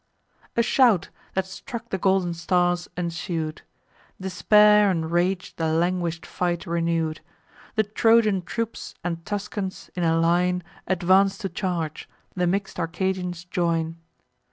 A shout, that struck the golden stars, ensued; Despair and rage the languish'd fight renew'd. The Trojan troops and Tuscans, in a line, Advance to charge; the mix'd Arcadians join.